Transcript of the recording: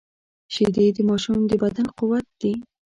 شیدې د ماشوم د بدن قوت دي